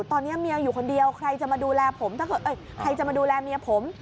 ตอนนี้เมียอยู่คนเดียวใครจะมาดูแลเมียผม